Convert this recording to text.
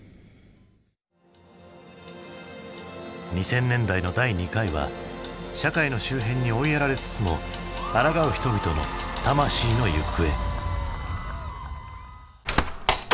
２０００年代の第２回は社会の周辺に追いやられつつもあらがう人々の魂の行方。